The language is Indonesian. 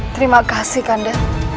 terima kasih kanda